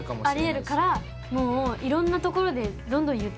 ありえるからもういろんなところでどんどん言ってこう。